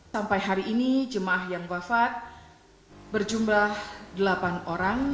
sampai hari ini jemaah yang wafat berjumlah delapan orang